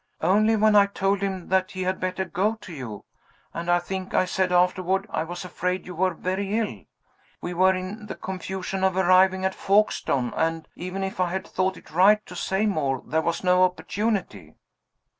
"Only when I told him that he had better go to you. And I think I said afterward I was afraid you were very ill. We were in the confusion of arriving at Folkestone and, even if I had thought it right to say more, there was no opportunity."